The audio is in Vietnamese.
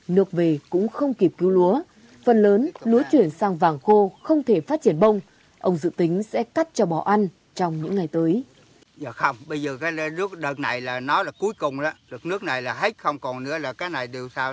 nước về cũng không kịp cứu lúa phần lớn lúa chuyển sang vàng khô không thể phát triển bông ông dự tính sẽ cắt cho bò ăn trong những ngày tới